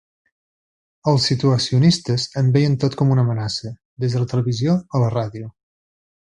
Els situacionistes en veien tot com una amenaça, des de la televisió a la ràdio.